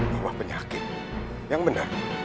wabah penyakit yang benar